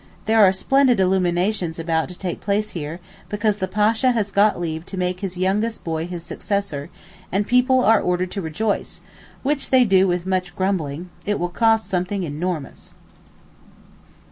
There are splendid illuminations about to take place here, because the Pasha has got leave to make his youngest boy his successor, and people are ordered to rejoice, which they do with much grumbling—it will cost something enormous.